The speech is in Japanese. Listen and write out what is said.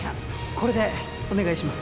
これでお願いします